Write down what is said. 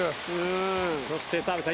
そして、澤部さん